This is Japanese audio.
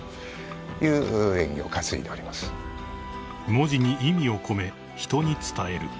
［文字に意味を込め人に伝える］